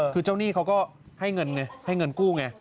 คือเจ้าหนี้เขาก็ให้เงินกู้เนี่ย